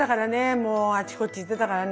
もうあっちこっち行ってたからね。